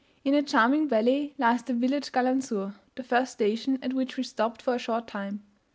In a charming valley lies the village Gallansur, the first station, at which we stopped for a short time.